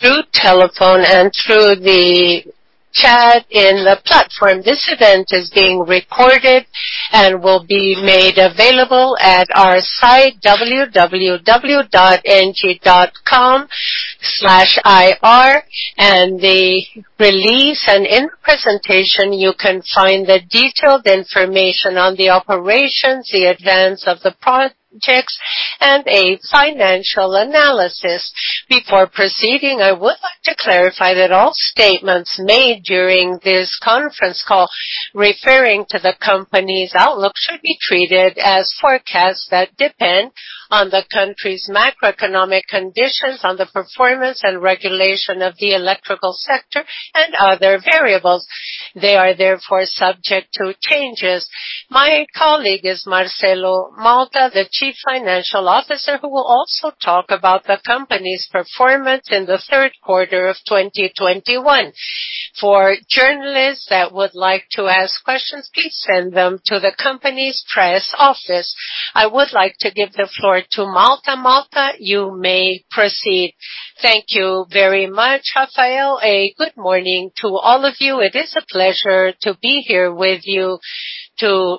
Through telephone and through the chat in the platform, this event is being recorded and will be made available at our site, www.engie.com/ir. In the release and in the presentation, you can find the detailed information on the operations, the advance of the projects, and a financial analysis. Before proceeding, I would like to clarify that all statements made during this conference call referring to the company's outlook should be treated as forecasts that depend on the country's macroeconomic conditions, on the performance and regulation of the electrical sector, and other variables. They are therefore subject to changes. My colleague is Marcelo Malta, the Chief Financial Officer, who will also talk about the company's performance in the Third Quarter of 2021. For journalists that would like to ask questions, please send them to the company's press office. I would like to give the floor to Malta. Malta, you may proceed. Thank you very much, Rafael. A good morning to all of you. It is a pleasure to be here with you to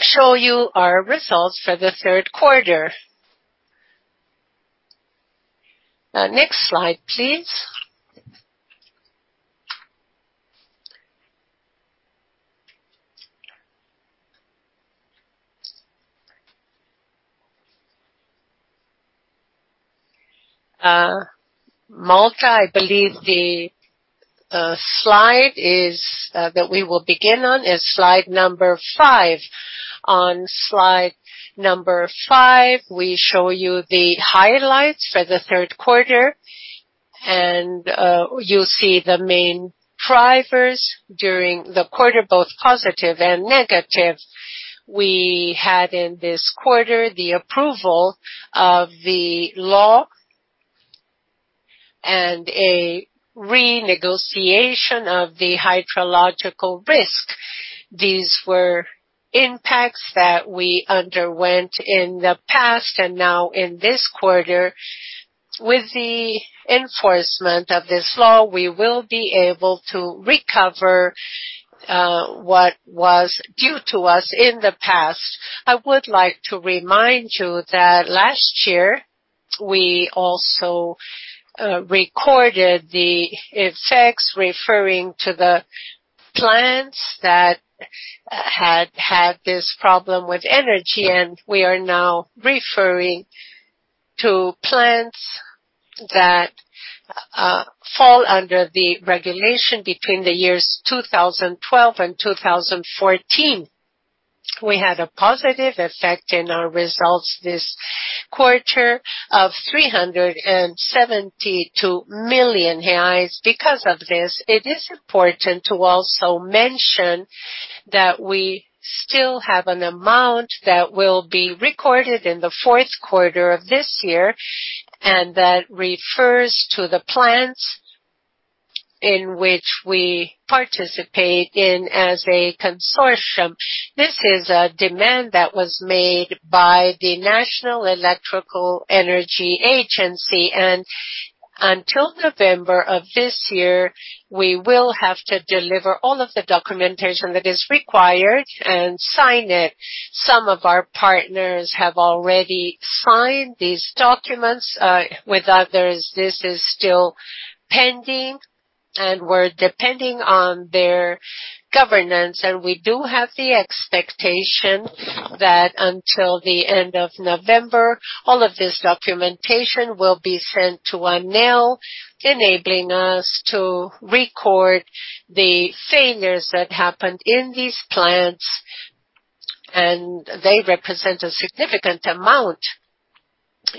show you our results for the Third Quarter. Next slide, please. I believe the slide that we will begin on is slide number five. On slide number five, we show you the highlights for the Third Quarter, and you'll see the main drivers during the Quarter, both positive and negative. We had in this Quarter the approval of the law and a renegotiation of the hydrological risk. These were impacts that we underwent in the past, and now in this Quarter, with the enforcement of this law, we will be able to recover what was due to us in the past. I would like to remind you that last year we also recorded the effects referring to the plants that had this problem with energy, and we are now referring to plants that fall under the regulation between the years 2012 and 2014. We had a positive effect in our results this Quarter of 372 million reais. Because of this, it is important to also mention that we still have an amount that will be recorded in the Fourth Quarter of this year and that refers to the plants in which we participate in as a consortium. This is a demand that was made by National Electrical Energy Agency, and until November of this year, we will have to deliver all of the documentation that is required and sign it. Some of our partners have already signed these documents. With others, this is still pending, and we're depending on their governance, and we do have the expectation that until the end of November, all of this documentation will be sent to ANEEL, enabling us to record the failures that happened in these plants, and they represent a significant amount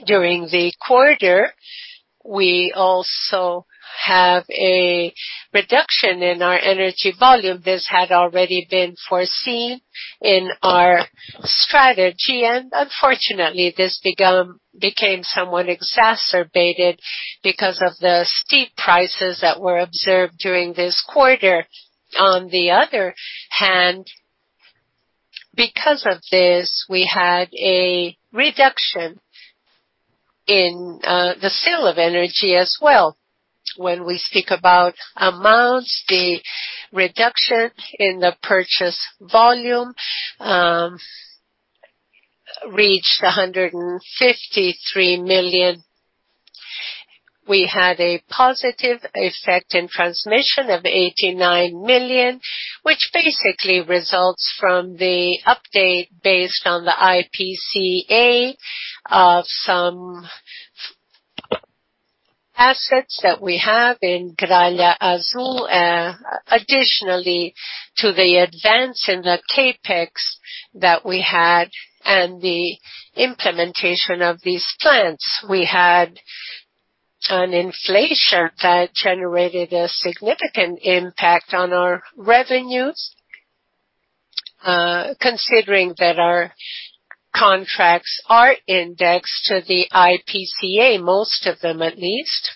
during the Quarter. We also have a reduction in our energy volume. This had already been foreseen in our strategy, and unfortunately, this became somewhat exacerbated because of the steep prices that were observed during this Quarter. On the other hand, because of this, we had a reduction in the sale of energy as well. When we speak about amounts, the reduction in the purchase volume reached 153 million. We had a positive effect in transmission of 89 million, which basically results from the update based on the IPCA of some assets that we have in Gralha Azul, additionally to the advance in the CapEx that we had and the implementation of these plants. We had an inflation that generated a significant impact on our revenues, considering that our contracts are indexed to the IPCA, most of them at least.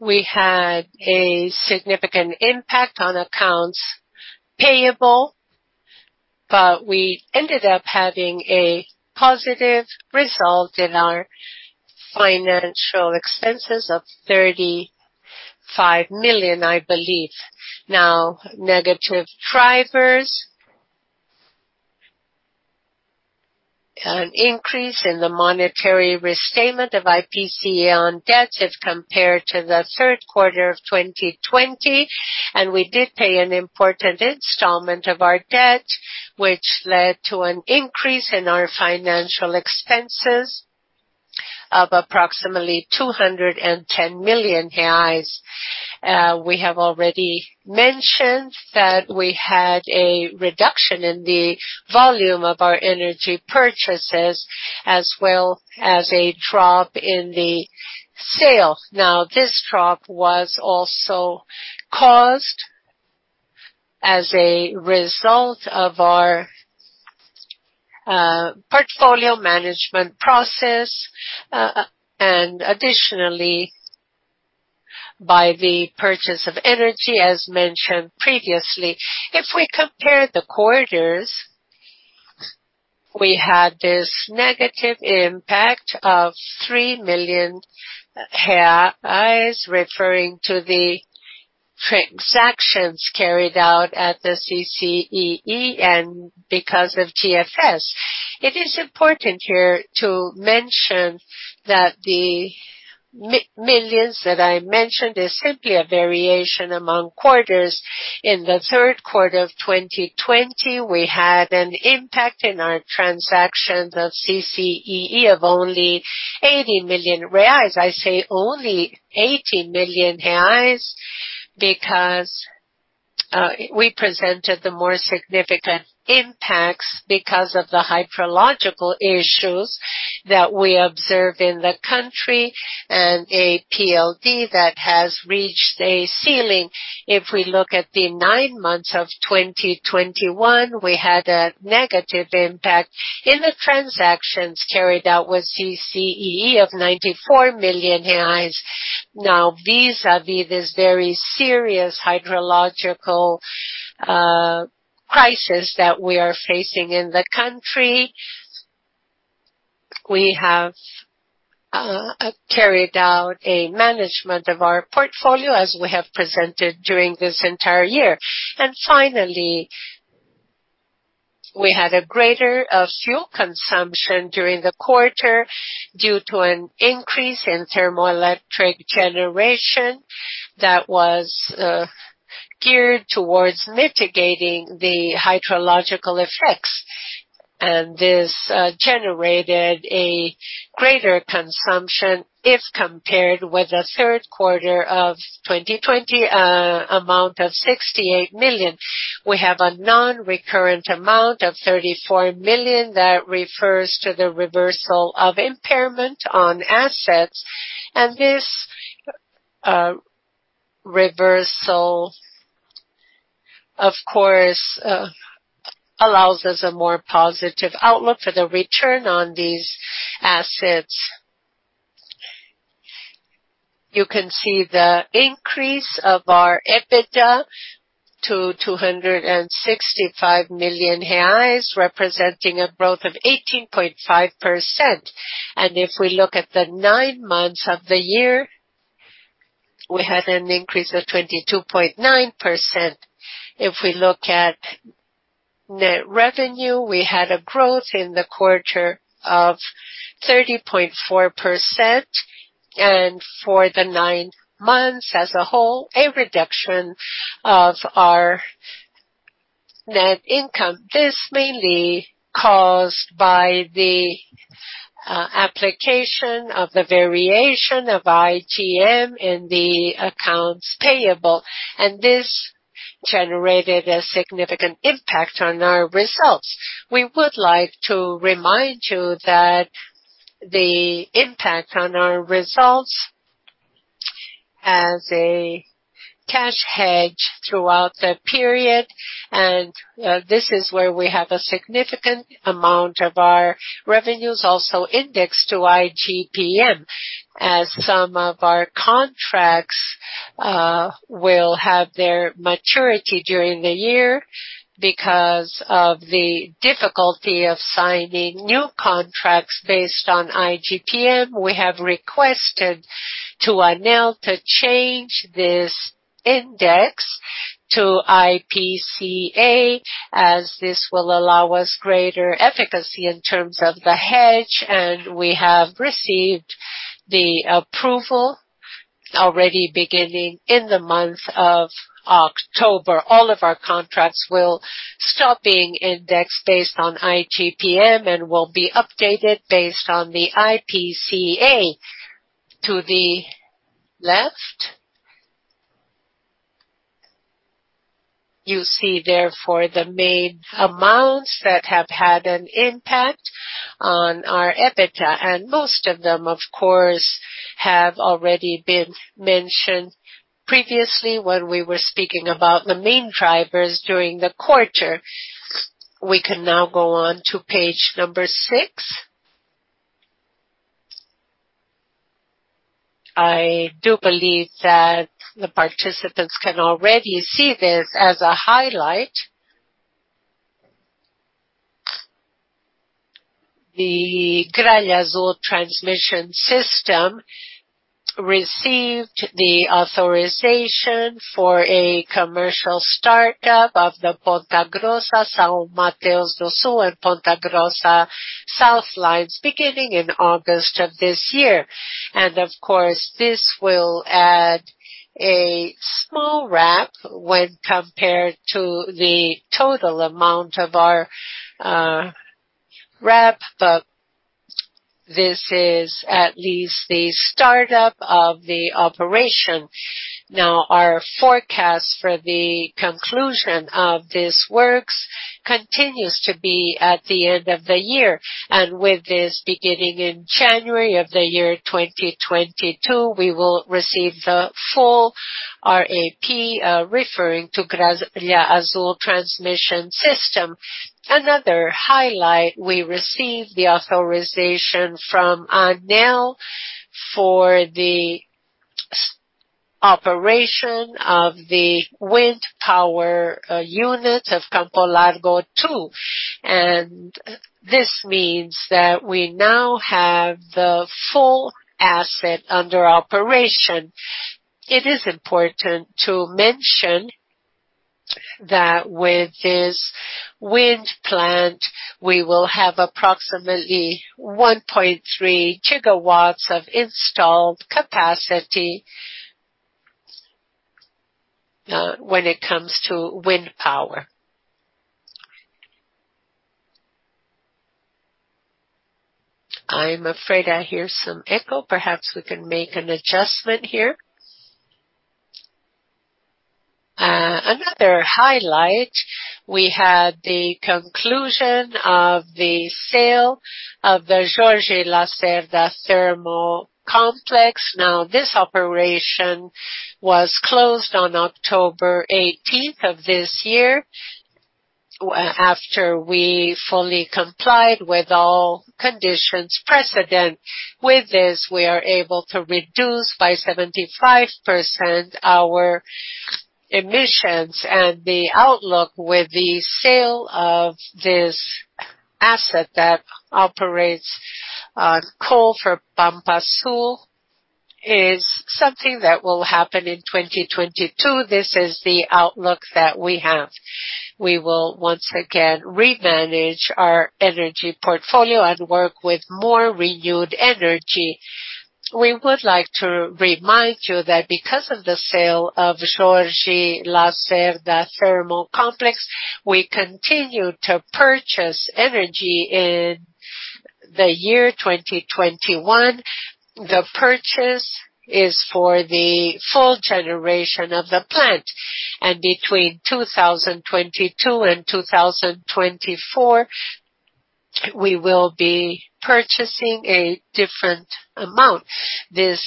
We had a significant impact on accounts payable, but we ended up having a positive result in our financial expenses of 35 million, I believe. Now, negative drivers: an increase in the monetary restatement of IPCA on debts if compared to the Third Quarter of 2020, and we did pay an important installment of our debt, which led to an increase in our financial expenses of approximately 210 million reais. We have already mentioned that we had a reduction in the volume of our energy purchases, as well as a drop in the sale. Now, this drop was also caused as a result of our portfolio management process and additionally by the purchase of energy, as mentioned previously. If we compare the Quarters, we had this negative impact of 3 million, referring to the transactions carried out at the CCEE and because of GSF. It is important here to mention that the millions that I mentioned is simply a variation among Quarters. In the Third Quarter of 2020, we had an impact in our transactions of CCEE of only 80 million reais. I say only 80 million reais because we presented the more significant impacts because of the hydrological issues that we observe in the country and a PLD that has reached a ceiling. If we look at the nine months of 2021, we had a negative impact in the transactions carried out with CCEE of 94 million reais. Now, vis-à-vis this very serious hydrological crisis that we are facing in the country, we have carried out a management of our portfolio as we have presented during this entire year. Finally, we had a greater fuel consumption during the Quarter due to an increase in thermoelectric generation that was geared towards mitigating the hydrological effects, and this generated a greater consumption if compared with the Third Quarter of 2020, an amount of 68 million. We have a non-recurrent amount of 34 million that refers to the reversal of impairment on assets, and this reversal, of course, allows us a more positive outlook for the return on these assets. You can see the increase of our EBITDA to 265 million reais, representing a growth of 18.5%. If we look at the nine months of the year, we had an increase of 22.9%. If we look at net revenue, we had a growth in the Quarter of 30.4%, and for the nine months as a whole, a reduction of our net income. This mainly caused by the application of the variation of IGPM in the accounts payable, and this generated a significant impact on our results. We would like to remind you that the impact on our results as a cash hedge throughout the period, and this is where we have a significant amount of our revenues also indexed to IGPM, as some of our contracts will have their maturity during the year. Because of the difficulty of signing new contracts based on IGPM, we have requested to ANEEL to change this index to IPCA, as this will allow us greater efficacy in terms of the hedge, and we have received the approval already beginning in the month of October. All of our contracts will stop being indexed based on IGPM and will be updated based on the IPCA. To the left, you see therefore the main amounts that have had an impact on our EBITDA, and most of them, of course, have already been mentioned previously when we were speaking about the main drivers during the Quarter. We can now go on to page number six. I do believe that the participants can already see this as a highlight. The Gralha Azul transmission system received the authorization for a commercial startup of the Ponta Grossa, São Mateus do Sul, and Ponta Grossa Sul lines, beginning in August of this year. This will add a small RAP when compared to the total amount of our RAP, but this is at least the startup of the operation. Now, our forecast for the conclusion of this works continues to be at the end of the year, and with this beginning in January of the year 2022, we will receive the full RAP referring to Gralha Azul transmission system. Another highlight, we received the authorization from ANEEL for the operation of the wind power unit of Campo Largo 2, and this means that we now have the full asset under operation. It is important to mention that with this wind plant, we will have approximately 1.3 gigawatts of installed capacity when it comes to wind power. I am afraid I hear some echo; perhaps we can make an adjustment here. Another highlight, we had the conclusion of the sale of the Jorge Lacerda thermal complex. Now, this operation was closed on October 18th of this year after we fully complied with all conditions precedent. With this, we are able to reduce by 75% our emissions, and the outlook with the sale of this asset that operates coal for Pampa Sul is something that will happen in 2022. This is the outlook that we have. We will once again remanage our energy portfolio and work with more renewed energy. We would like to remind you that because of the sale of Jorge Lacerda thermal complex, we continued to purchase energy in the year 2021. The purchase is for the full generation of the plant, and between 2022 and 2024, we will be purchasing a different amount. This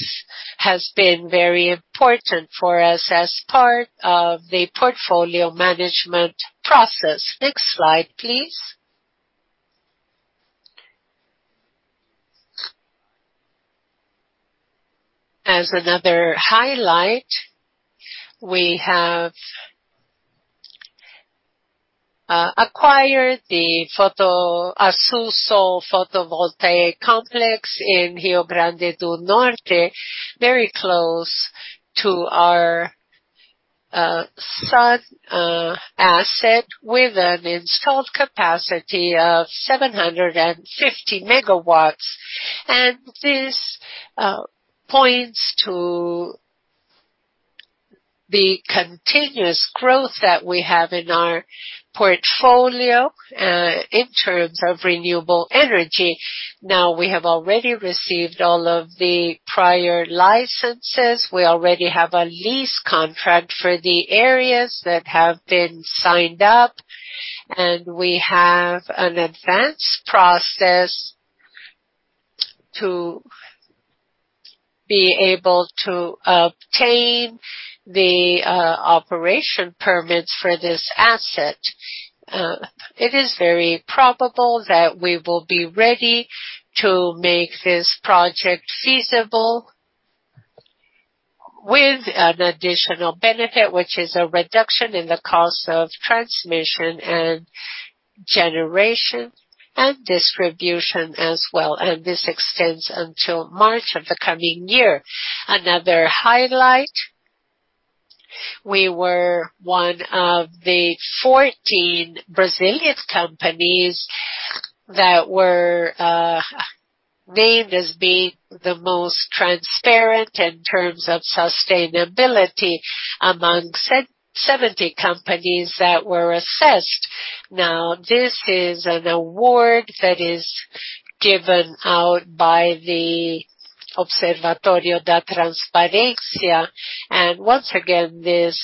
has been very important for us as part of the portfolio management process. Next slide, please. As another highlight, we have acquired the Azul Sol photovoltaic complex in Rio Grande do Norte, very close to our sun asset, with an installed capacity of 750 megawatts, and this points to the continuous growth that we have in our portfolio in terms of renewable energy. Now, we have already received all of the prior licenses. We already have a lease contract for the areas that have been signed up, and we have an advanced process to be able to obtain the operation permits for this asset. It is very probable that we will be ready to make this project feasible with an additional benefit, which is a reduction in the cost of transmission and generation and distribution as well, and this extends until March of the coming year. Another highlight, we were one of the 14 Brazilian companies that were named as being the most transparent in terms of sustainability among 70 companies that were assessed. This is an award that is given out by the Observatório da Transparência, and once again, this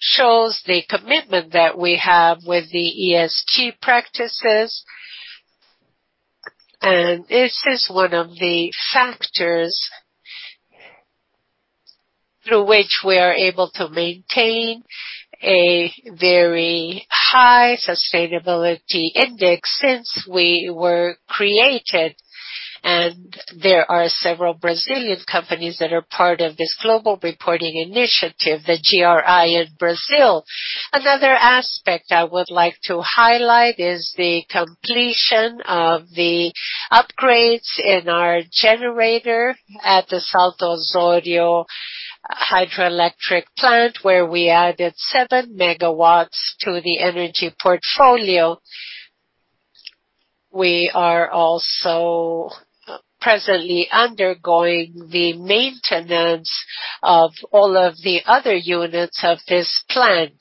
shows the commitment that we have with the ESG practices, and this is one of the factors through which we are able to maintain a very high sustainability index since we were created, and there are several Brazilian companies that are part of this Global Reporting Initiative, the GRI in Brazil. Another aspect I would like to highlight is the completion of the upgrades in our generator at the Salto Osório hydroelectric plant, where we added 7 megawatts to the energy portfolio. We are also presently undergoing the maintenance of all of the other units of this plant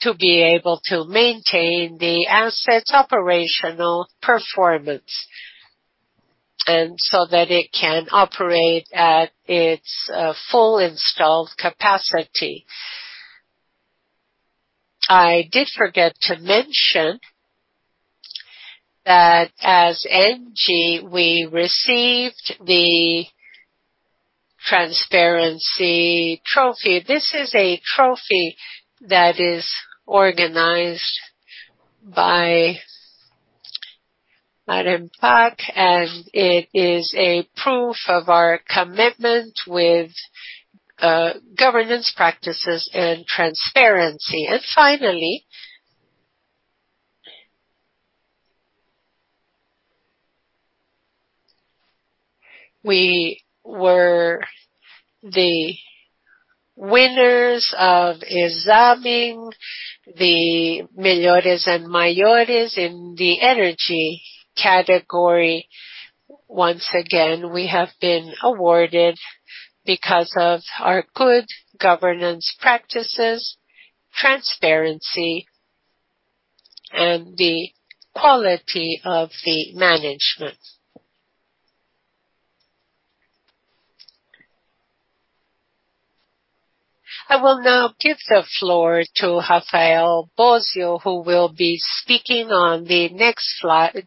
to be able to maintain the asset's operational performance and so that it can operate at its full installed capacity. I did forget to mention that as ENGIE, we received the Transparency Trophy. This is a trophy that is organized by ANEFAC, and it is a proof of our commitment with governance practices and transparency. Finally, we were the winners of examining the Melhores e Maiores in the energy category. Once again, we have been awarded because of our good governance practices, transparency, and the quality of the management. I will now give the floor to Rafael Bósio, who will be speaking on the next slide,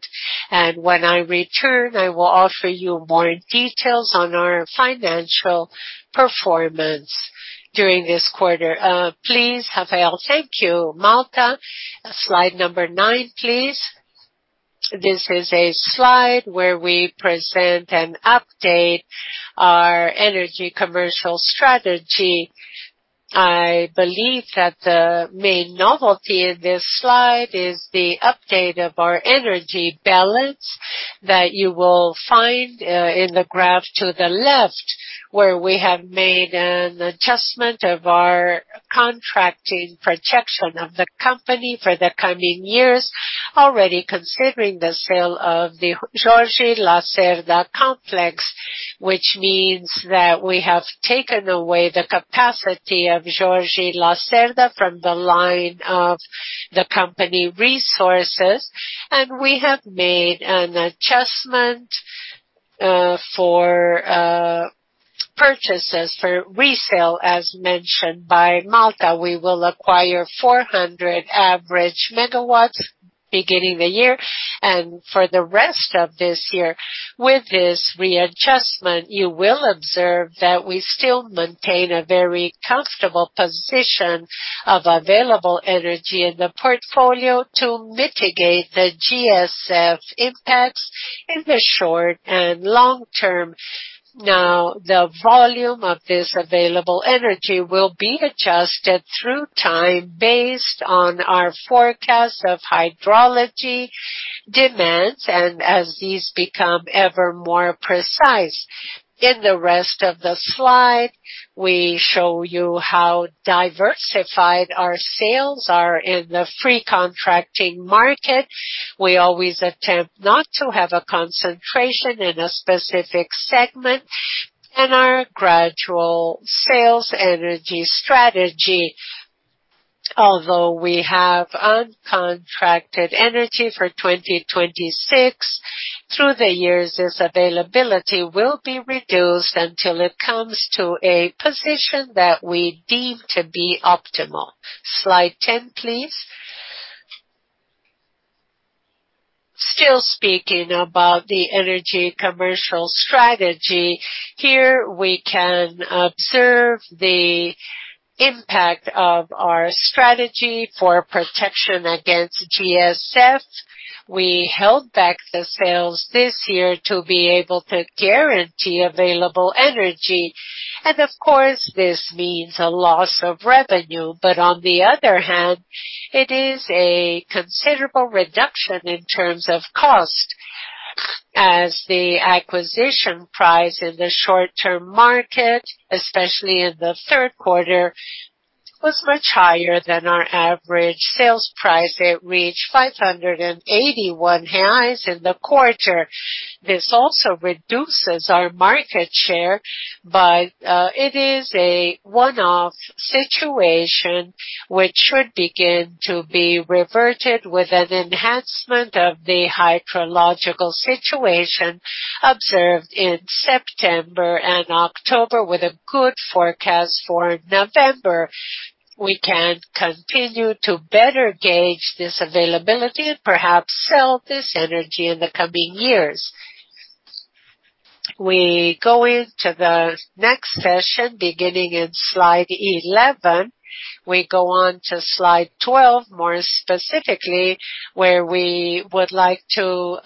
and when I return, I will offer you more details on our financial performance during this Quarter. Please, Rafael Thank you. Malta, slide number nine, please. This is a slide where we present and update our energy commercial strategy. I believe that the main novelty in this slide is the update of our energy balance that you will find in the graph to the left, where we have made an adjustment of our contracting projection of the company for the coming years, already considering the sale of the Jorge Lacerda complex, which means that we have taken away the capacity of Jorge Lacerda from the line of the company resources, and we have made an adjustment for purchases for resale, as mentioned by Malta. We will acquire 400 average megawatts beginning the year and for the rest of this year. With this readjustment, you will observe that we still maintain a very comfortable position of available energy in the portfolio to mitigate the GSF impacts in the short and long term. Now, the volume of this available energy will be adjusted through time based on our forecast of hydrology demands and as these become ever more precise. In the rest of the slide, we show you how diversified our sales are in the free contracting market. We always attempt not to have a concentration in a specific segment in our gradual sales energy strategy. Although we have uncontracted energy for 2026, through the years, this availability will be reduced until it comes to a position that we deem to be optimal. Slide 10, please. Still speaking about the energy commercial strategy, here we can observe the impact of our strategy for protection against GSF. We held back the sales this year to be able to guarantee available energy, and of course, this means a loss of revenue, but on the other hand, it is a considerable reduction in terms of cost, as the acquisition price in the short-term market, especially in the Third Quarter, was much higher than our average sales price. It reached 581 highs in the Quarter. This also reduces our market share, but it is a one-off situation, which should begin to be reverted with an enhancement of the hydrological situation observed in September and October, with a good forecast for November. We can continue to better gauge this availability and perhaps sell this energy in the coming years. We go into the next session beginning in slide 11. We go on to slide 12, more specifically, where we would like to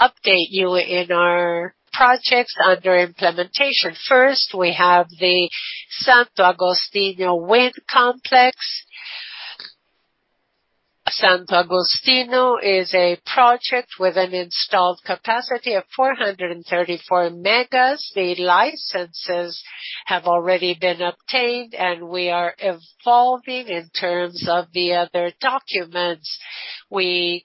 update you in our projects under implementation. First, we have the Santo Agostinho Wind Complex. Santo Agostinho is a project with an installed capacity of 434 megas. The licenses have already been obtained, and we are evolving in terms of the other documents. We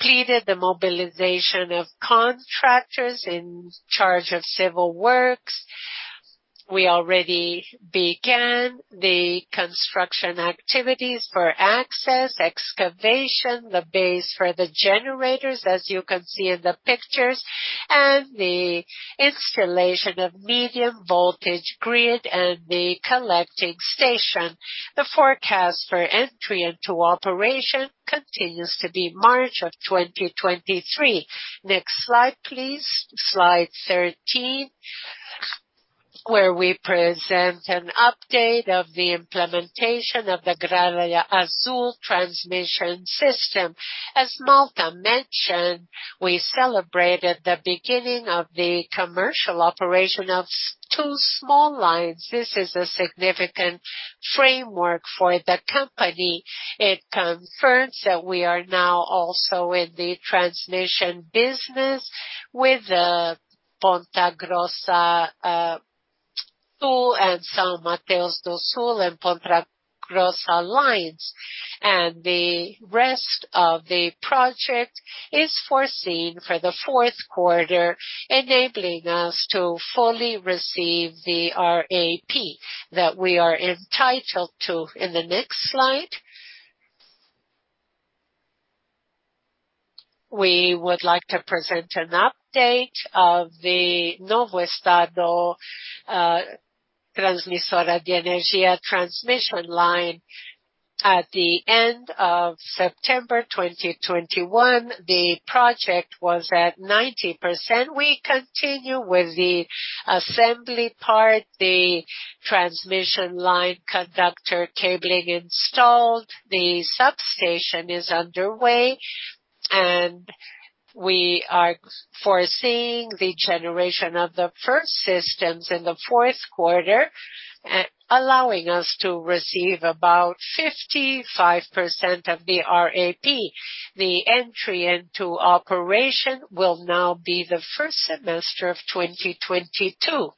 completed the mobilization of contractors in charge of civil works. We already began the construction activities for access, excavation, the base for the generators, as you can see in the pictures, and the installation of medium voltage grid and the collecting station. The forecast for entry into operation continues to be March of 2023. Next slide, please. Slide 13, where we present an update of the implementation of theGralha Azul transmission system. As Malta mentioned, we celebrated the beginning of the commercial operation of two small lines. This is a significant framework for the company. It confirms that we are now also in the transmission business with the Ponta Grossa II and São Mateus do Sul and Ponta Grossa lines, and the rest of the project is foreseen for the Fourth Quarter, enabling us to fully receive the RAP that we are entitled to. In the next slide, we would like to present an update of the Novo Estado Transmissora de Energia transmission line. At the end of September 2021, the project was at 90%. We continue with the assembly part, the transmission line conductor cabling installed. The substation is underway, and we are foreseeing the generation of the first systems in the Fourth Quarter, allowing us to receive about 55% of the RAP. The entry into operation will now be the first semester of 2022.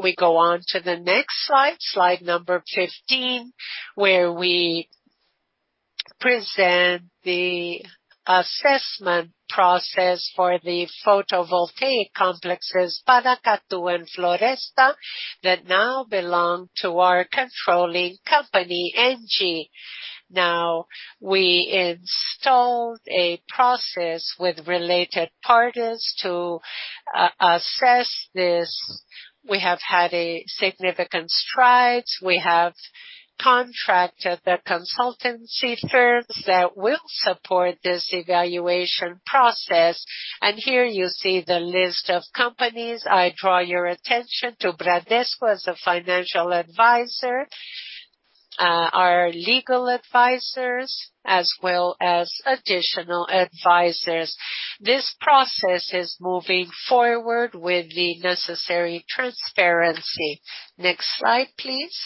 We go on to the next slide, slide number 15, where we present the assessment process for the photovoltaic complexes Paracatu and Floresta that now belong to our controlling company, ENGIE. Now, we installed a process with related parties to assess this. We have had significant strides. We have contracted the consultancy firms that will support this evaluation process, and here you see the list of companies. I draw your attention to Bradesco as a financial advisor, our legal advisors, as well as additional advisors. This process is moving forward with the necessary transparency. Next slide, please.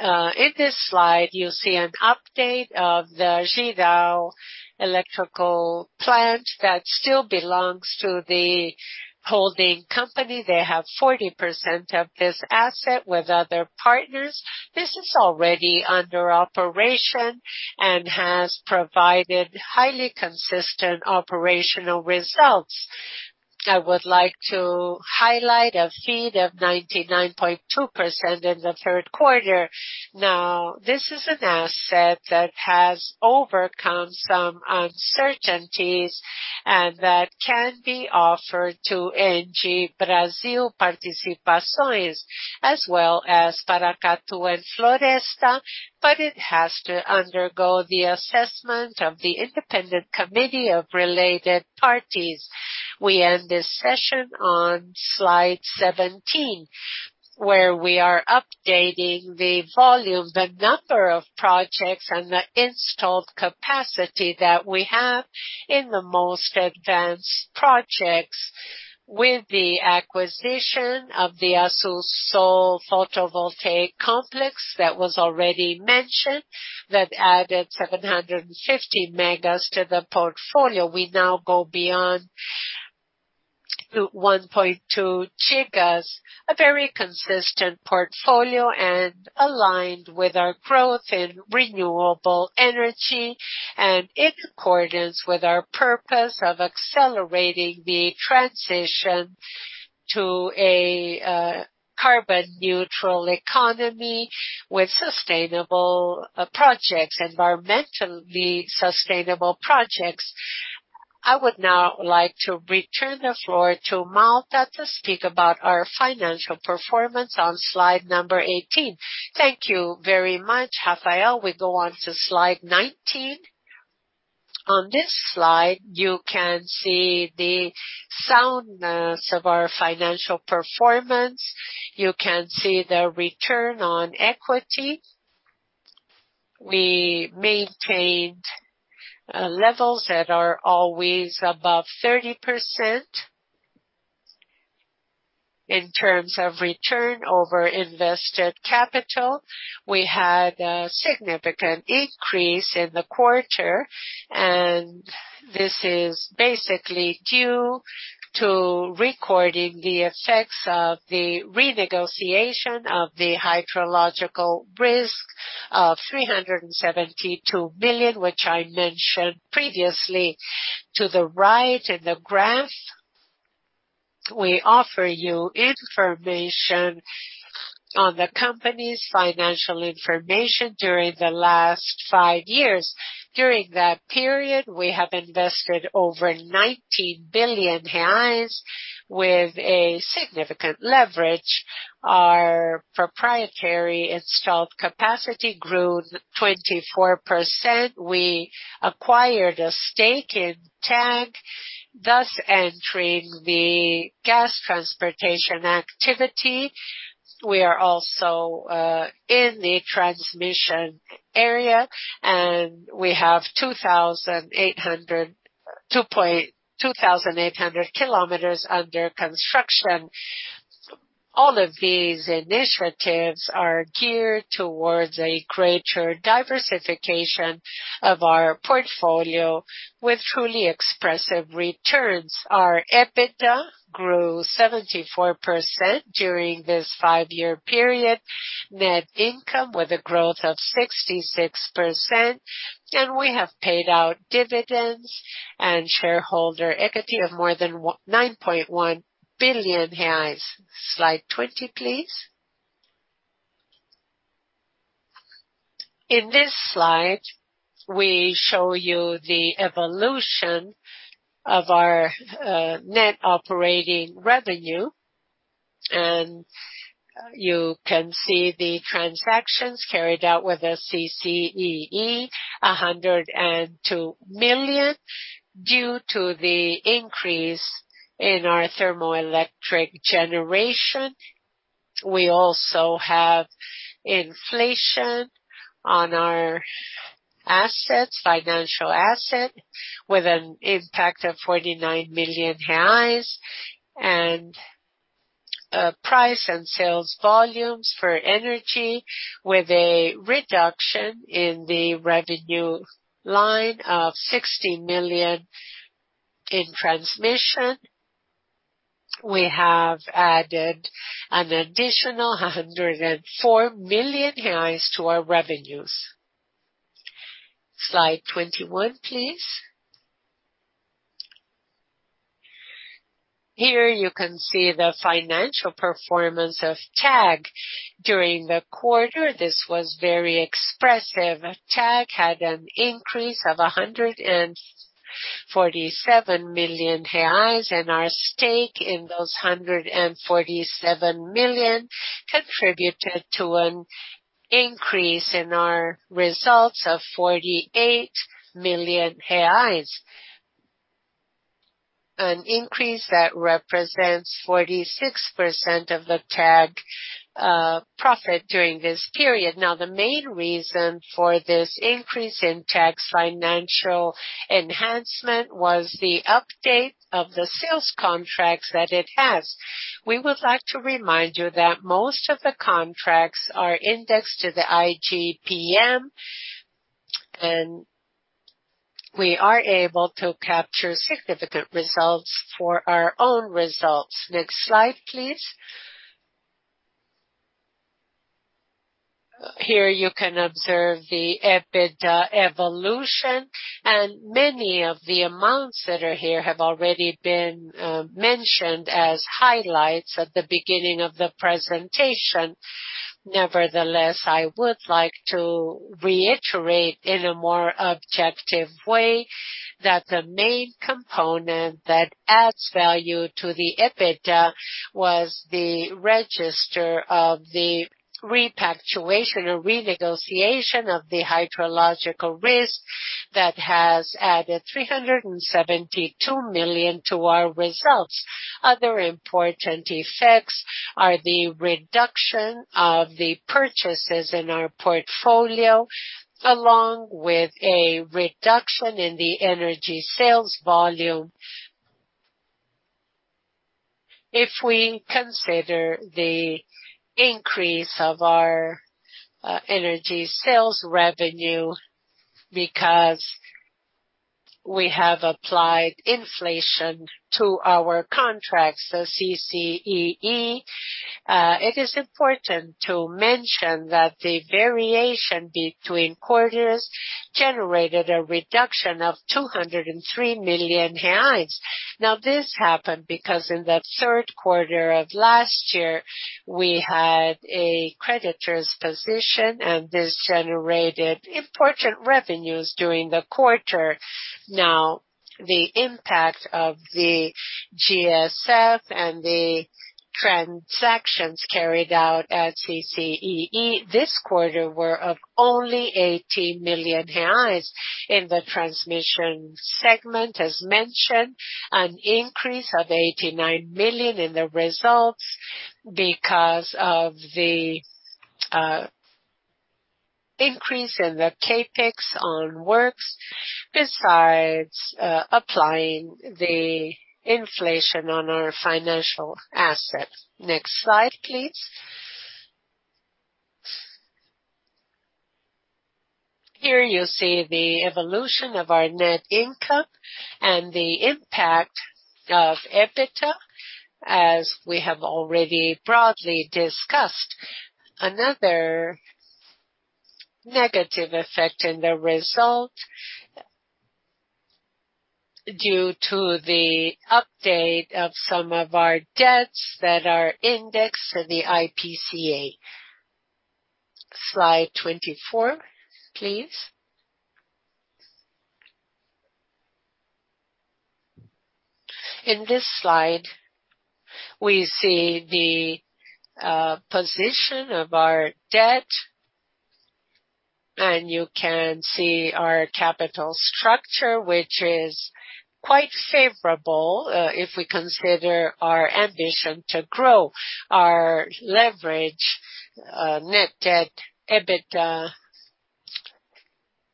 In this slide, you see an update of the Jirau Hydroelectric Plant that still belongs to the holding company. They have 40% of this asset with other partners. This is already under operation and has provided highly consistent operational results. I would like to highlight a feed of 99.2% in the Third Quarter. Now, this is an asset that has overcome some uncertainties and that can be offered to ENGIE Brasil Participações, as well as Paracatu and Floresta, but it has to undergo the assessment of the independent committee of related parties. We end this session on slide 17, where we are updating the volume, the number of projects, and the installed capacity that we have in the most advanced projects, with the acquisition of the Azul Sol photovoltaic complex that was already mentioned, that added 750 megas to the portfolio. We now go beyond 1.2 gigas, a very consistent portfolio and aligned with our growth in renewable energy and in accordance with our purpose of accelerating the transition to a carbon-neutral economy with sustainable projects, environmentally sustainable projects. I would now like to return the floor to Malta to speak about our financial performance on slide number 18. Thank you very much, Rafael. We go on to slide 19. On this slide, you can see the soundness of our financial performance. You can see the return on equity. We maintained levels that are always above 30% in terms of return over invested capital. We had a significant increase in the Quarter, and this is basically due to recording the effects of the renegotiation of the hydrological risk of 372 million, which I mentioned previously. To the right in the graph, we offer you information on the company's financial information during the last five years. During that period, we have invested over 19 billion reais with a significant leverage. Our proprietary installed capacity grew 24%. We acquired a stake in TAG, thus entering the gas transportation activity. We are also in the transmission area, and we have 2,800 km under construction. All of these initiatives are geared towards a greater diversification of our portfolio with truly expressive returns. Our EBITDA grew 74% during this five-year period, net income with a growth of 66%, and we have paid out dividends and shareholder equity of more than 9.1 billion reais. Slide 20, please. In this slide, we show you the evolution of our net operating revenue, and you can see the transactions carried out with CCEE, 102 million, due to the increase in our thermoelectric generation. We also have inflation on our assets, financial asset, with an impact of 49 million reais, and price and sales volumes for energy, with a reduction in the revenue line of 60 million in transmission. We have added an additional 104 million reais to our revenues. Slide 21, please. Here you can see the financial performance of TAG during the Quarter. This was very expressive. TAG had an increase of 147 million reais, and our stake in those 147 million contributed to an increase in our results of 48 million reais, an increase that represents 46% of the TAG profit during this period. Now, the main reason for this increase in TAG's financial enhancement was the update of the sales contracts that it has. We would like to remind you that most of the contracts are indexed to the IGPM, and we are able to capture significant results for our own results. Next slide, please. Here you can observe the EBITDA evolution, and many of the amounts that are here have already been mentioned as highlights at the beginning of the presentation. Nevertheless, I would like to reiterate in a more objective way that the main component that adds value to the EBITDA was the register of the repactuation or renegotiation of the hydrological risk that has added 372 million to our results. Other important effects are the reduction of the purchases in our portfolio, along with a reduction in the energy sales volume. If we consider the increase of our energy sales revenue because we have applied inflation to our contracts, the CCEE, it is important to mention that the variation between Quarters generated a reduction of 203 million reais. Now, this happened because in the Third Quarter of last year, we had a creditors position, and this generated important revenues during the Quarter. Now, the impact of the GSF and the transactions carried out at CCEE this Quarter were of only 18 million reais in the transmission segment, as mentioned, an increase of 89 million in the results because of the increase in the CAPEX on works, besides applying the inflation on our financial asset. Next slide, please. Here you see the evolution of our net income and the impact of EBITDA, as we have already broadly discussed. Another negative effect in the result due to the update of some of our debts that are indexed to the IPCA. Slide 24, please. In this slide, we see the position of our debt, and you can see our capital structure, which is quite favorable if we consider our ambition to grow. Our leverage net debt EBITDA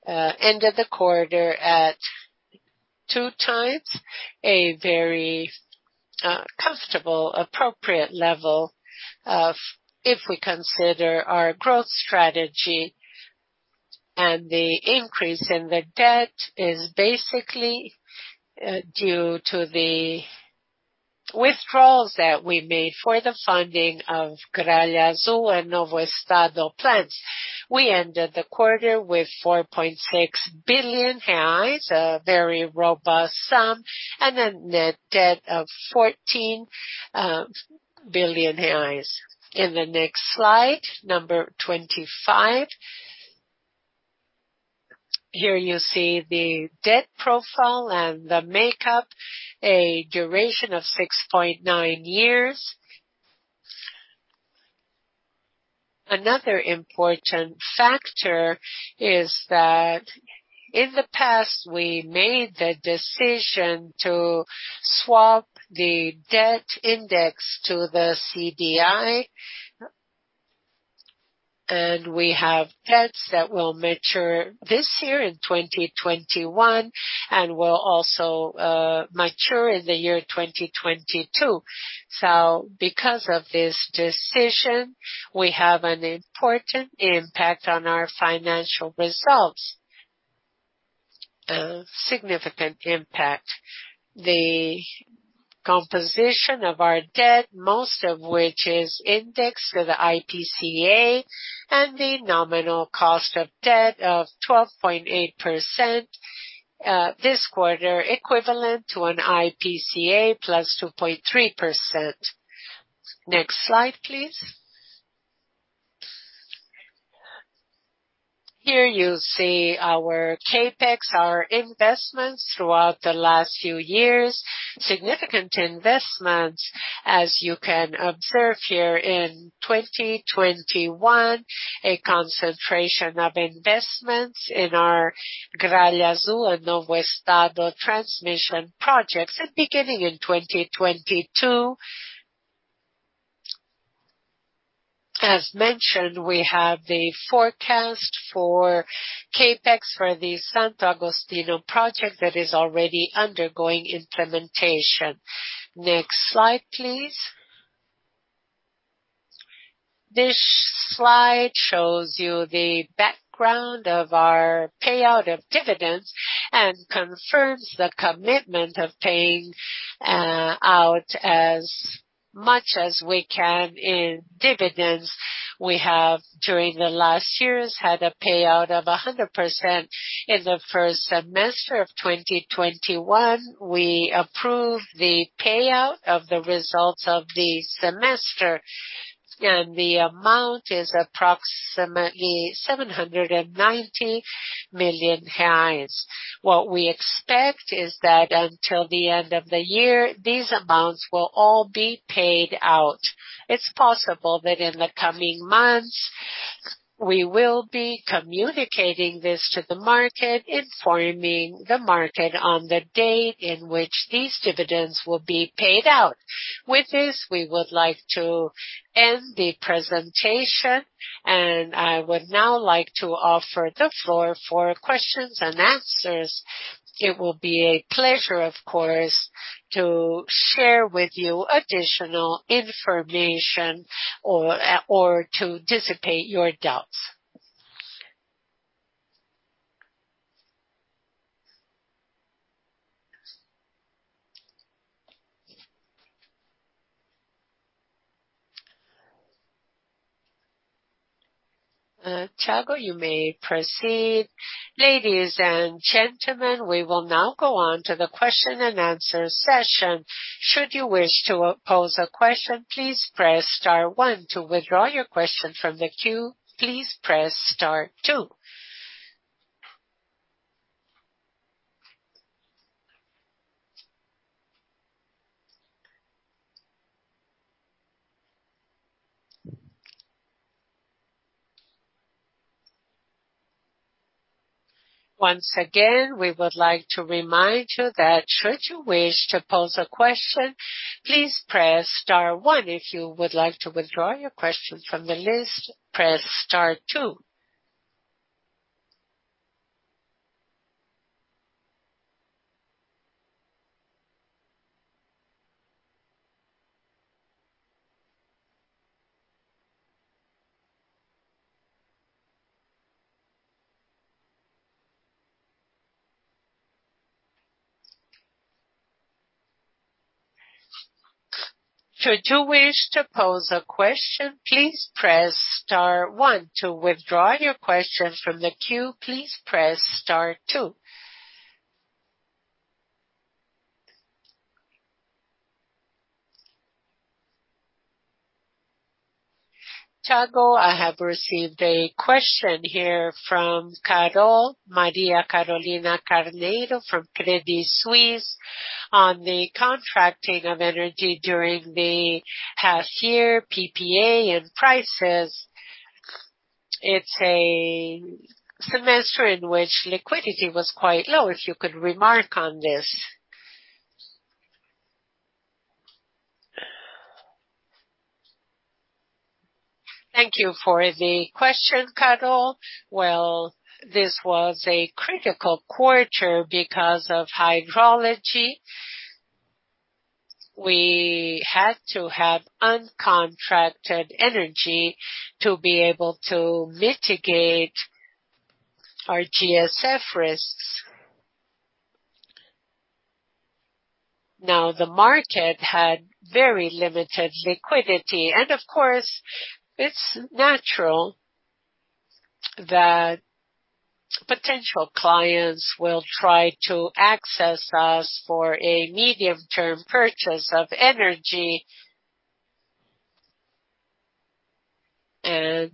ended the Quarter at two times, a very comfortable, appropriate level if we consider our growth strategy, and the increase in the debt is basically due to the withdrawals that we made for the funding of Gralha Azul and Novo Estado Plants. We ended the Quarter with 4.6 billion reais, a very robust sum, and a net debt of 14 billion reais. In the next slide, number 25, here you see the debt profile and the makeup, a duration of 6.9 years. Another important factor is that in the past, we made the decision to swap the debt index to the CDI, and we have debts that will mature this year in 2021 and will also mature in the year 2022. Because of this decision, we have an important impact on our financial results, a significant impact. The composition of our debt, most of which is indexed to the IPCA, and the nominal cost of debt of 12.8% this Quarter, equivalent to an IPCA +2.3%. Next slide, please. Here you see our CAPEX, our investments throughout the last few years, significant investments, as you can observe here in 2021, a concentration of investments in our Gralha Azul and Novo Estado transmission projects beginning in 2022. As mentioned, we have the forecast for CAPEX for the Santo Agostinho project that is already undergoing implementation. Next slide, please. This slide shows you the background of our payout of dividends and confirms the commitment of paying out as much as we can in dividends. We have, during the last years, had a payout of 100%. In the first semester of 2021, we approved the payout of the results of the semester, and the amount is approximately 790 million reais. What we expect is that until the end of the year, these amounts will all be paid out. It's possible that in the coming months, we will be communicating this to the market, informing the market on the date in which these dividends will be paid out. With this, we would like to end the presentation, and I would now like to offer the floor for questions and answers. It will be a pleasure, of course, to share with you additional information or to dissipate your doubts. Thiago, you may proceed. Ladies and gentlemen, we will now go on to the question and answer session. Should you wish to pose a question, please press star one. To withdraw your question from the queue, please press star two. Once again, we would like to remind you that should you wish to pose a question, please press star one. If you would like to withdraw your question from the list, press star two. Should you wish to pose a question, please press star one. To withdraw your question from the queue, please press star two. Thiago, I have received a question here from Maria Carolina Carneiro from Credit Suisse, on the contracting of energy during the past year, PPA, and prices. It's a semester in which liquidity was quite low, if you could remark on this. Thank you for the question, Carolina. This was a critical Quarter because of hydrology. We had to have uncontracted energy to be able to mitigate our GSF risks. Now, the market had very limited liquidity, and of course, it's natural that potential clients will try to access us for a medium-term purchase of energy, and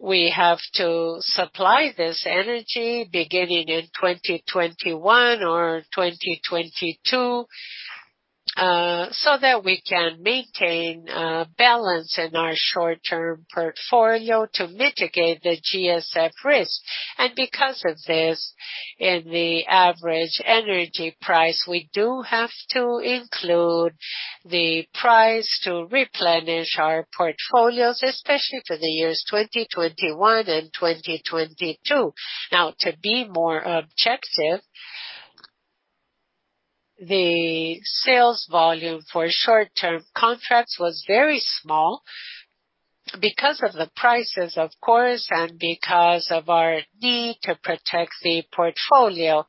we have to supply this energy beginning in 2021 or 2022 so that we can maintain a balance in our short-term portfolio to mitigate the GSF risk. Because of this, in the average energy price, we do have to include the price to replenish our portfolios, especially for the years 2021 and 2022. Now, to be more objective, the sales volume for short-term contracts was very small because of the prices, of course, and because of our need to protect the portfolio,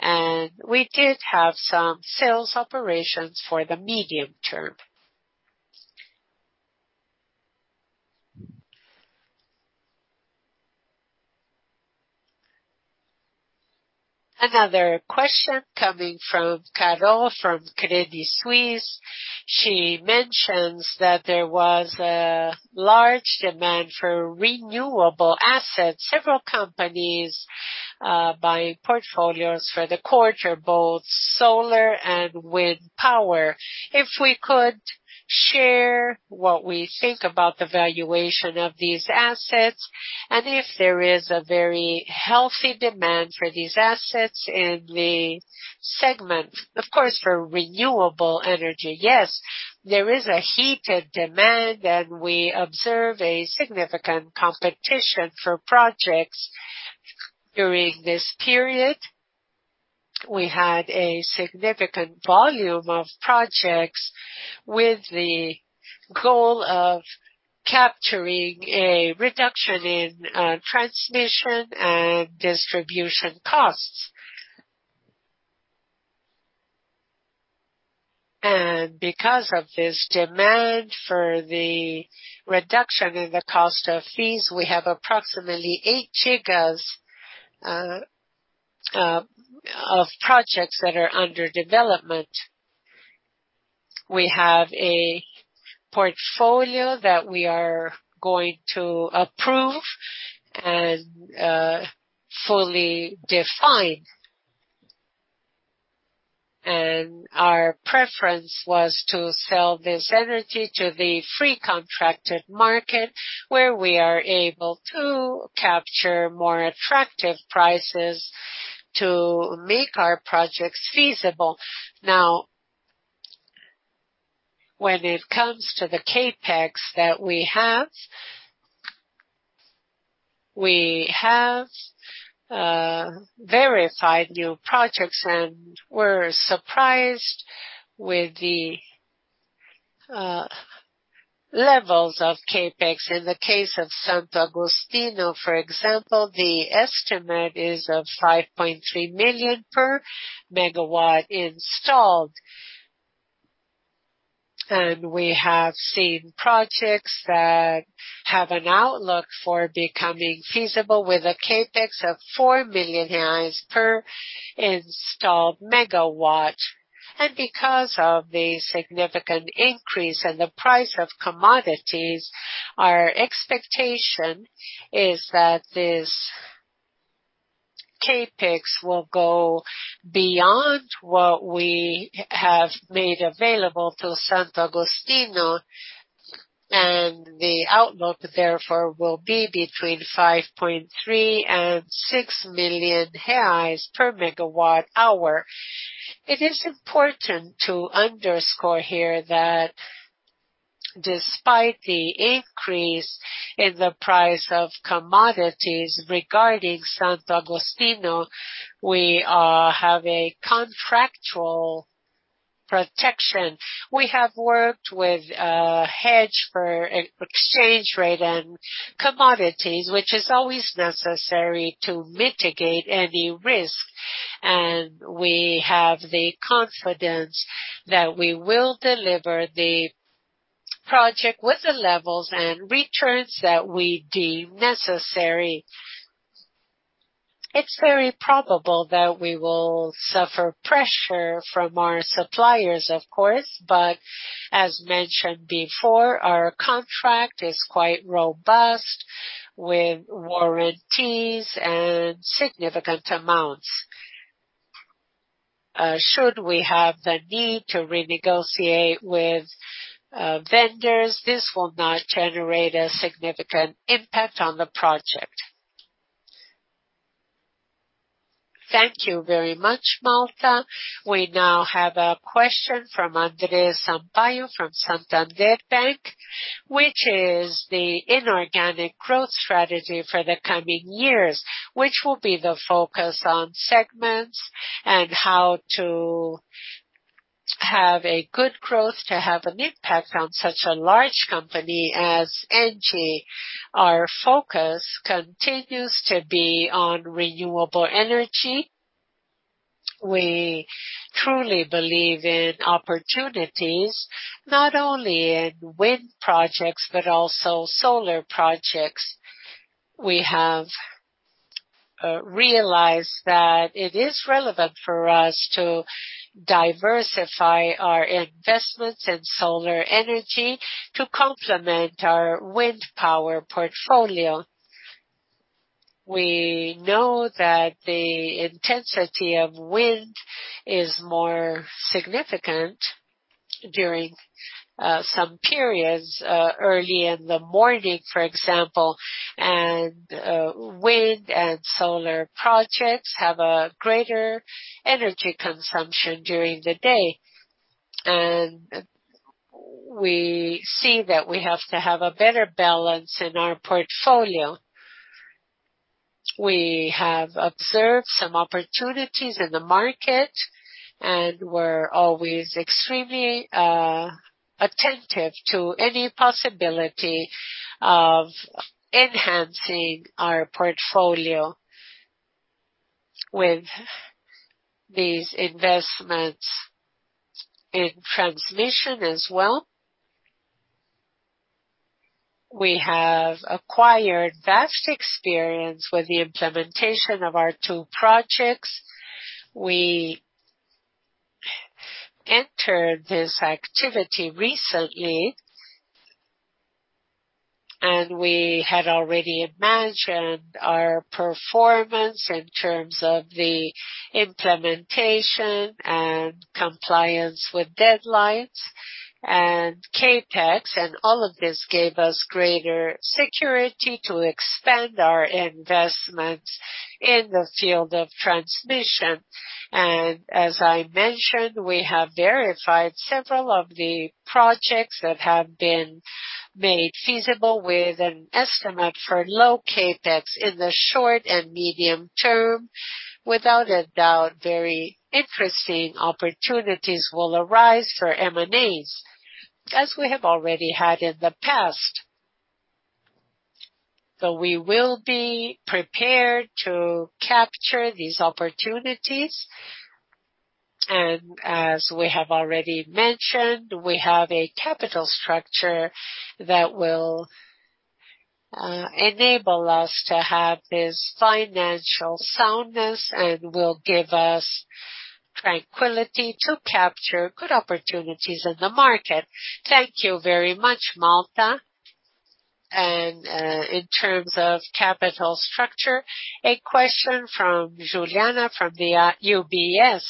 and we did have some sales operations for the medium term. Another question coming from Carolina from Credit Suisse. She mentions that there was a large demand for renewable assets. Several companies buying portfolios for the Quarter, both solar and wind power. If we could share what we think about the valuation of these assets and if there is a very healthy demand for these assets in the segment. Of course, for renewable energy, yes, there is a heated demand, and we observe significant competition for projects during this period. We had a significant volume of projects with the goal of capturing a reduction in transmission and distribution costs. Because of this demand for the reduction in the cost of fees, we have approximately 8 gigas of projects that are under development. We have a portfolio that we are going to approve and fully define. Our preference was to sell this energy to the free contracted market where we are able to capture more attractive prices to make our projects feasible. Now, when it comes to the CAPEX that we have, we have verified new projects, and we are surprised with the levels of CAPEX. In the case of Santo Agostinho, for example, the estimate is of 5.3 million per megawatt installed. We have seen projects that have an outlook for becoming feasible with a CAPEX of 4 million reais per installed megawatt. Because of the significant increase in the price of commodities, our expectation is that this CAPEX will go beyond what we have made available to Santo Agostinho, and the outlook, therefore, will be between 5.3 million and 6 million reais per megawatt hour. It is important to underscore here that despite the increase in the price of commodities regarding Santo Agostinho, we have a contractual protection. We have worked with a hedge for exchange rate and commodities, which is always necessary to mitigate any risk, and we have the confidence that we will deliver the project with the levels and returns that we deem necessary. It's very probable that we will suffer pressure from our suppliers, of course, but as mentioned before, our contract is quite robust with warranties and significant amounts. Should we have the need to renegotiate with vendors, this will not generate a significant impact on the project. Thank you very much, Malta. We now have a question from Andrés Sampayo from Santander, which is the inorganic growth strategy for the coming years, which will be the focus on segments and how to have a good growth to have an impact on such a large company as ENGIE Brasil. Our focus continues to be on renewable energy. We truly believe in opportunities, not only in wind projects but also solar projects. We have realized that it is relevant for us to diversify our investments in solar energy to complement our wind power portfolio. We know that the intensity of wind is more significant during some periods, early in the morning, for example, and wind and solar projects have a greater energy consumption during the day. We see that we have to have a better balance in our portfolio. We have observed some opportunities in the market, and we're always extremely attentive to any possibility of enhancing our portfolio with these investments in transmission as well. We have acquired vast experience with the implementation of our two projects. We entered this activity recently, and we had already imagined our performance in terms of the implementation and compliance with deadlines and CAPEX, and all of this gave us greater security to expand our investments in the field of transmission. As I mentioned, we have verified several of the projects that have been made feasible with an estimate for low CAPEX in the short and medium term. Without a doubt, very interesting opportunities will arise for M&As, as we have already had in the past. We will be prepared to capture these opportunities. As we have already mentioned, we have a capital structure that will enable us to have this financial soundness and will give us tranquility to capture good opportunities in the market. Thank you very much, Malta. In terms of capital structure, a question from Juliana from UBS.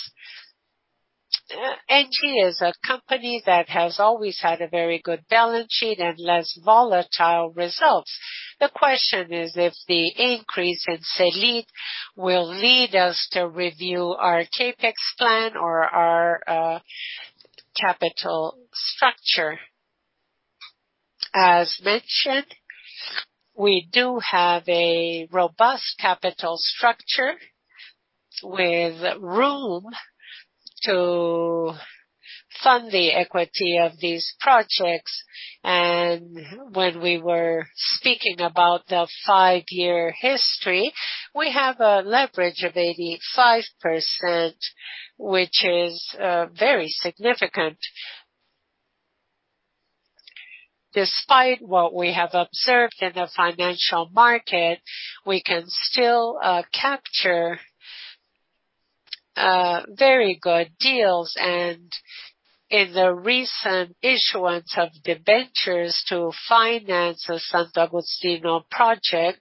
Brasil is a company that has always had a very good balance sheet and less volatile results. The question is if the increase in SELIC will lead us to review our CAPEX plan or our capital structure. As mentioned, we do have a robust capital structure with room to fund the equity of these projects. When we were speaking about the five-year history, we have a leverage of 85%, which is very significant. Despite what we have observed in the financial market, we can still capture very good deals. In the recent issuance of the ventures to finance the Santo Agostinho project,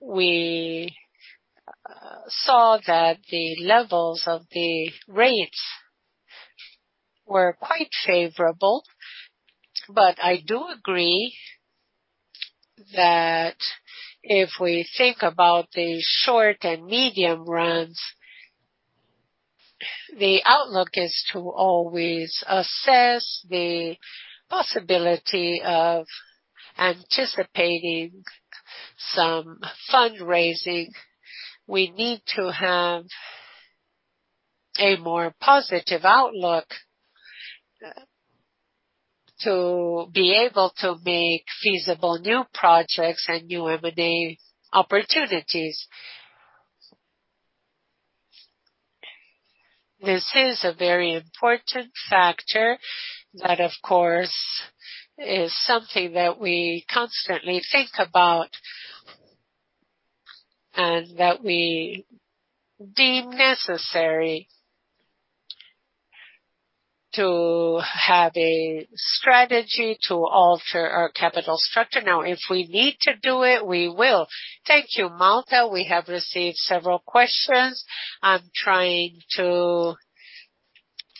we saw that the levels of the rates were quite favorable. I do agree that if we think about the short and medium runs, the outlook is to always assess the possibility of anticipating some fundraising. We need to have a more positive outlook to be able to make feasible new projects and new M&A opportunities. This is a very important factor that, of course, is something that we constantly think about and that we deem necessary to have a strategy to alter our capital structure. Now, if we need to do it, we will. Thank you, Malta. We have received several questions. I'm trying to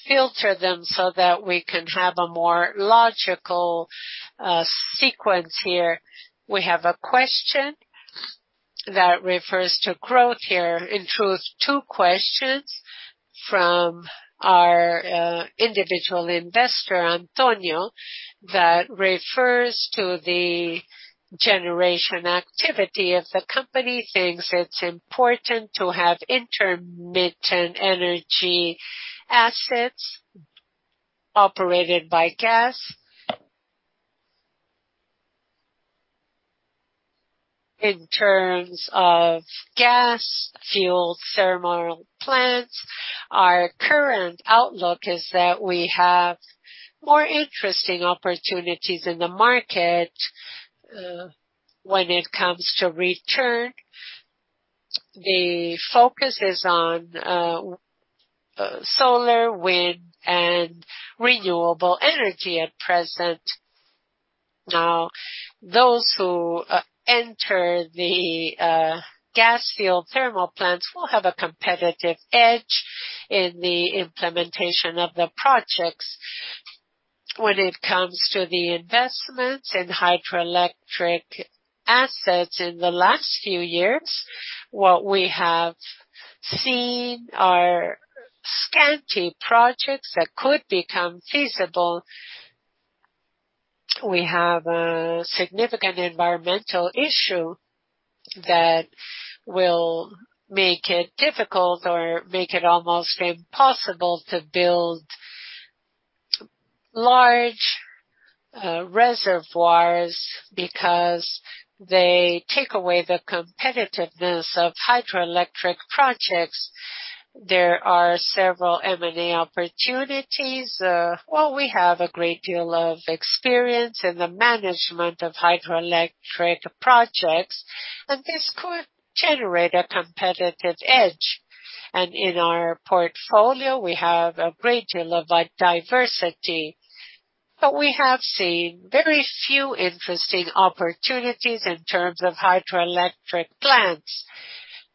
filter them so that we can have a more logical sequence here. We have a question that refers to growth here. In truth, two questions from our individual investor, Antonio, that refers to the generation activity of the company. He thinks it's important to have intermittent energy assets operated by gas. In terms of gas fuel thermal plants, our current outlook is that we have more interesting opportunities in the market when it comes to return. The focus is on solar, wind, and renewable energy at present. Now, those who enter the gas fuel thermal plants will have a competitive edge in the implementation of the projects. When it comes to the investments in hydroelectric assets in the last few years, what we have seen are scanty projects that could become feasible. We have a significant environmental issue that will make it difficult or make it almost impossible to build large reservoirs because they take away the competitiveness of hydroelectric projects. There are several M&A opportunities. We have a great deal of experience in the management of hydroelectric projects, and this could generate a competitive edge. In our portfolio, we have a great deal of diversity. We have seen very few interesting opportunities in terms of hydroelectric plants.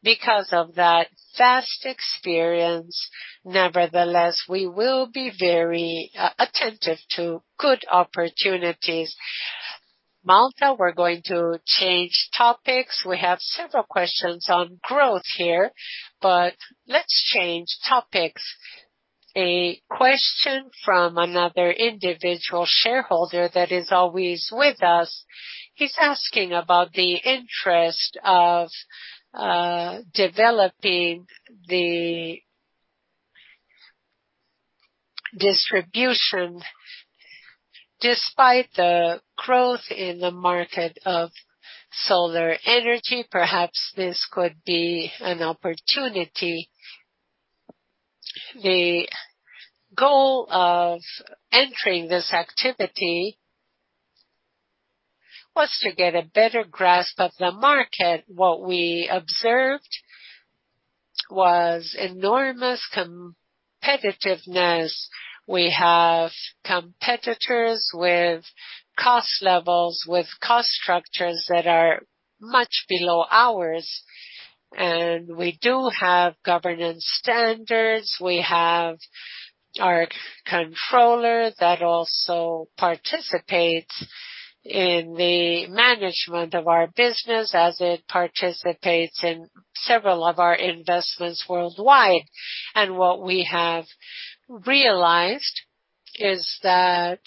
Because of that vast experience, nevertheless, we will be very attentive to good opportunities. Malta, we're going to change topics. We have several questions on growth here, but let's change topics. A question from another individual shareholder that is always with us. He's asking about the interest of developing the distribution. Despite the growth in the market of solar energy, perhaps this could be an opportunity. The goal of entering this activity was to get a better grasp of the market. What we observed was enormous competitiveness. We have competitors with cost levels, with cost structures that are much below ours. We do have governance standards. We have our controller that also participates in the management of our business as it participates in several of our investments worldwide. What we have realized is that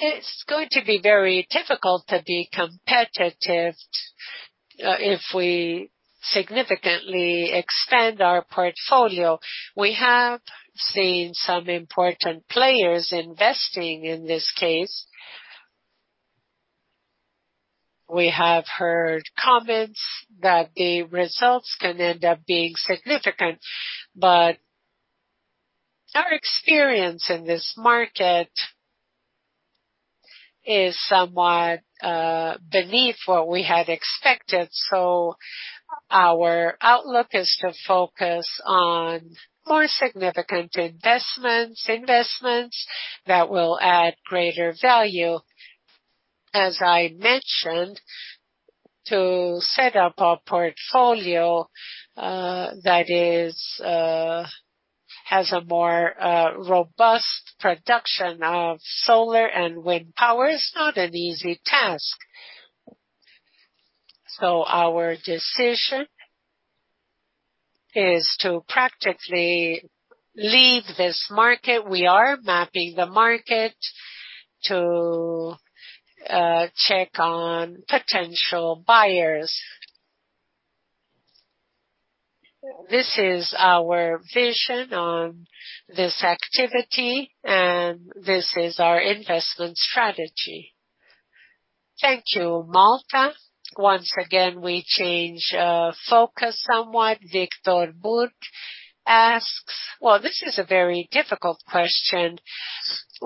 it's going to be very difficult to be competitive if we significantly expand our portfolio. We have seen some important players investing in this case. We have heard comments that the results can end up being significant, but our experience in this market is somewhat beneath what we had expected. Our outlook is to focus on more significant investments, investments that will add greater value. As I mentioned, to set up a portfolio that has a more robust production of solar and wind power is not an easy task. Our decision is to practically leave this market. We are mapping the market to check on potential buyers. This is our vision on this activity, and this is our investment strategy. Thank you, Malta. Once again, we change focus somewhat. Victor Burk asks, this is a very difficult question,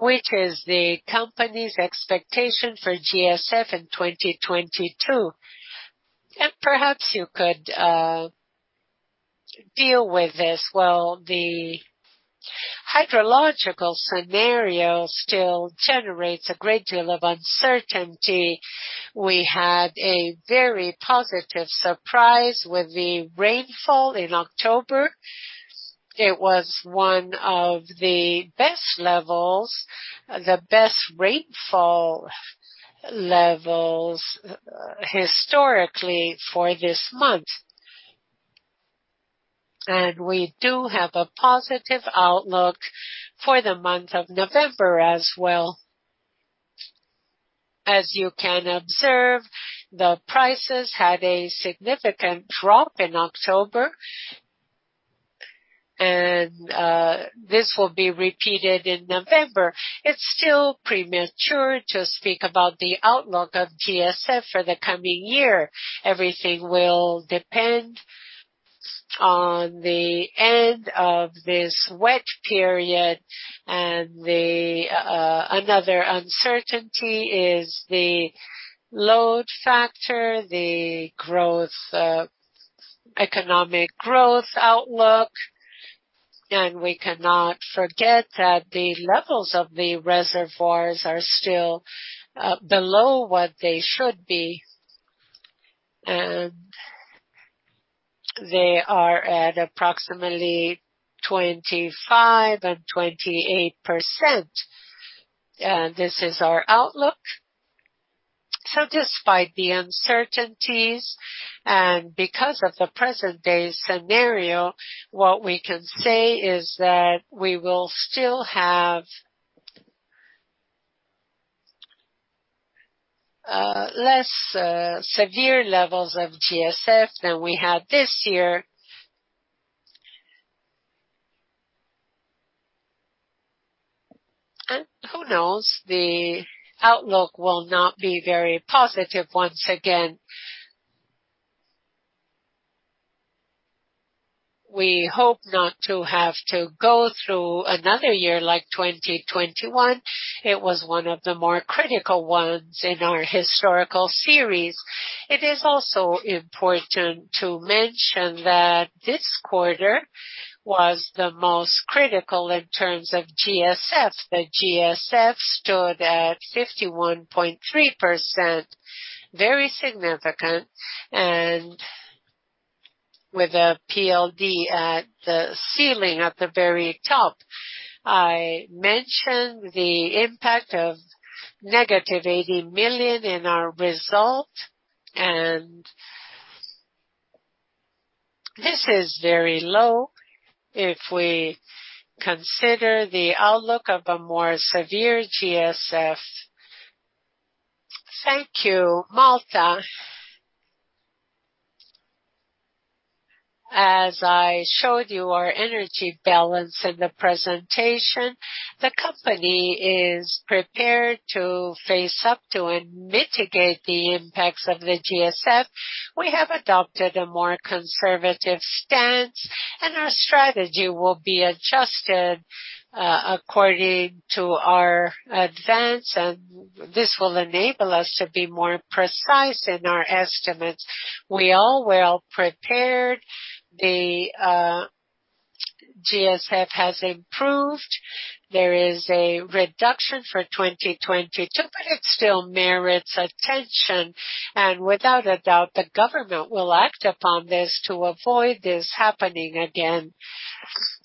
which is the company's expectation for GSF in 2022. Perhaps you could deal with this. The hydrological scenario still generates a great deal of uncertainty. We had a very positive surprise with the rainfall in October. It was one of the best levels, the best rainfall levels historically for this month. We do have a positive outlook for the month of November as well. As you can observe, the prices had a significant drop in October, and this will be repeated in November. It is still premature to speak about the outlook of GSF for the coming year. Everything will depend on the end of this wet period. Another uncertainty is the load factor, the growth, economic growth outlook. We cannot forget that the levels of the reservoirs are still below what they should be. They are at approximately 25% and 28%. This is our outlook. Despite the uncertainties and because of the present-day scenario, what we can say is that we will still have less severe levels of GSF than we had this year. Who knows, the outlook will not be very positive once again. We hope not to have to go through another year like 2021. It was one of the more critical ones in our historical series. It is also important to mention that this Quarter was the most critical in terms of GSF. The GSF stood at 51.3%, very significant. With a PLD at the ceiling at the very top, I mentioned the impact of negative 80 million in our result. This is very low if we consider the outlook of a more severe GSF. Thank you, Malta. As I showed you our energy balance in the presentation, the company is prepared to face up to and mitigate the impacts of the GSF. We have adopted a more conservative stance, and our strategy will be adjusted according to our advance. This will enable us to be more precise in our estimates. We all were prepared. The GSF has improved. There is a reduction for 2022, but it still merits attention. Without a doubt, the government will act upon this to avoid this happening again.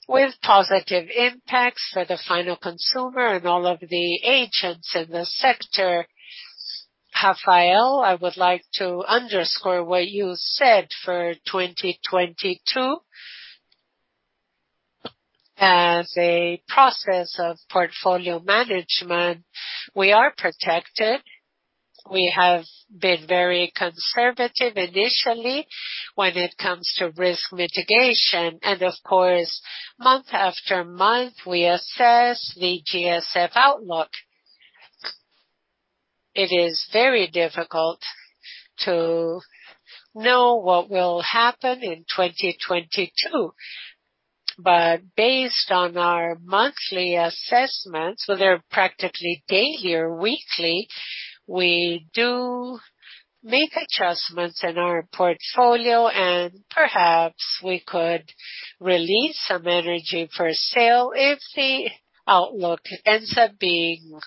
With positive impacts for the final consumer and all of the agents in the sector, Rafael, I would like to underscore what you said for 2022. As a process of portfolio management, we are protected. We have been very conservative initially when it comes to risk mitigation. Of course, month after month, we assess the GSF outlook. It is very difficult to know what will happen in 2022. Based on our monthly assessments, whether practically daily or weekly, we do make adjustments in our portfolio. Perhaps we could release some energy for sale if the outlook ends up being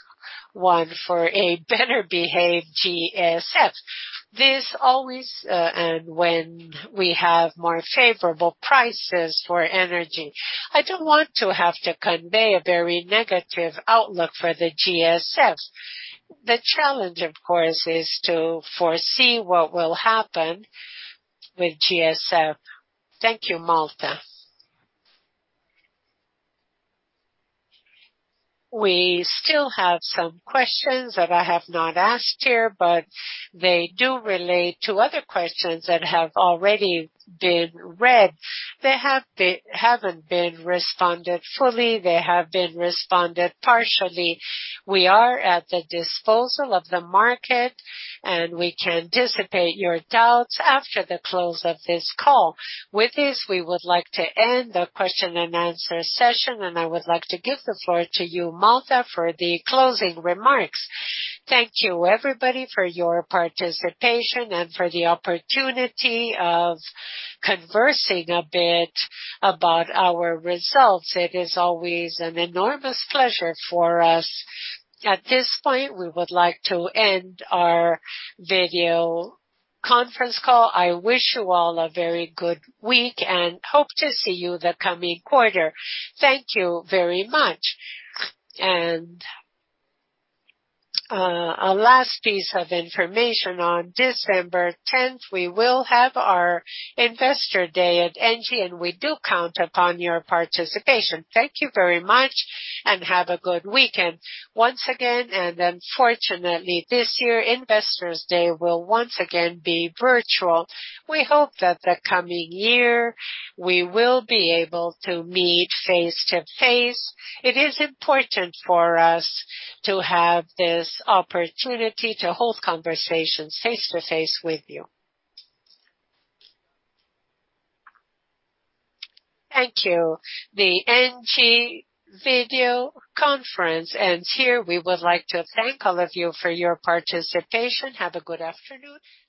one for a better-behaved GSF. This always, and when we have more favorable prices for energy, I do not want to have to convey a very negative outlook for the GSF. The challenge, of course, is to foresee what will happen with GSF. Thank you, Malta. We still have some questions that I have not asked here, but they do relate to other questions that have already been read. They have not been responded fully. They have been responded partially. We are at the disposal of the market, and we can anticipate your doubts after the close of this call. With this, we would like to end the question and answer session. I would like to give the floor to you, Malta, for the closing remarks. Thank you, everybody, for your participation and for the opportunity of conversing a bit about our results. It is always an enormous pleasure for us. At this point, we would like to end our video conference call. I wish you all a very good week and hope to see you the coming Quarter. Thank you very much. A last piece of information: on December 10th, we will have our Investor Day at ENGIE, and we do count upon your participation. Thank you very much, and have a good weekend. Once again, and unfortunately, this year, Investor Day will once again be virtual. We hope that the coming year we will be able to meet face-to-face. It is important for us to have this opportunity to hold conversations face-to-face with you. Thank you. The ENGIE video conference ends here. We would like to thank all of you for your participation. Have a good afternoon. Thank you for using Voytel.